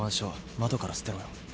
窓から捨てろよ。